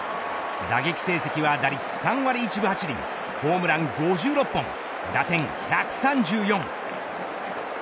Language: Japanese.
打撃成績は、打率３割１分８厘ホームラン５６本、打点１３４。